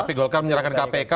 tapi golkar menyerahkan kpk